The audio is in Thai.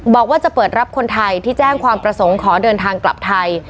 บอกว่าจะเปิดรับคนไทยที่แจ้งความประสงค์ขอเดินทางกลับไทย